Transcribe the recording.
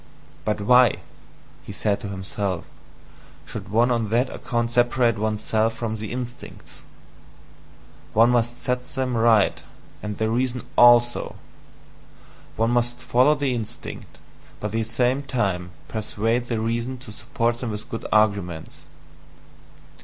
"But why" he said to himself "should one on that account separate oneself from the instincts! One must set them right, and the reason ALSO one must follow the instincts, but at the same time persuade the reason to support them with good arguments."